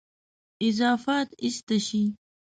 اضافات ایسته شي.